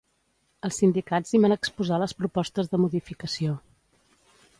Els sindicats hi van exposar les propostes de modificació.